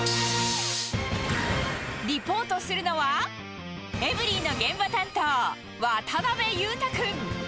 リポートするのは、エブリィの現場担当、渡辺裕太君。